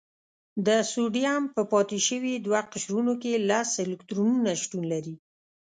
د سوډیم په پاتې شوي دوه قشرونو کې لس الکترونونه شتون لري.